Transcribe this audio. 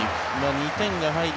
２点が入り